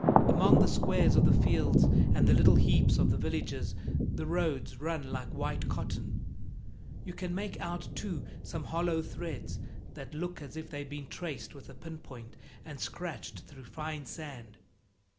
Among the squares of the fields and the little heaps of the villages the roads run like white cotton. You can make out, too, some hollow threads that look as if they'd been traced with a pin point and scratched through fine sand.